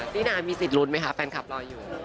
พี่นามีสิทธิลุ้นไหมคะแฟนคลับรออยู่